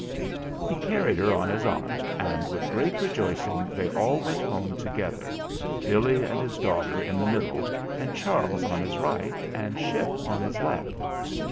He carried her on his arm, and with great rejoicing they all went home together Billy and his daughter in the middle and Charles on his right and Ship on his left.